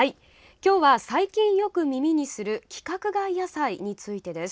今日は、最近よく耳にする規格外野菜についてです。